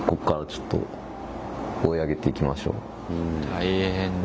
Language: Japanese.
大変だ。